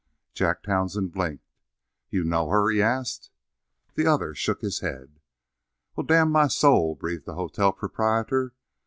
Jack Townsend blinked. "You know her?" he asked. The other shook his head. "Well, damn my soul!" breathed the hotel proprietor.